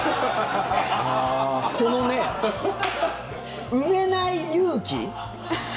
この埋めない勇気。